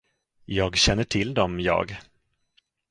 Jag känner till dem, jag.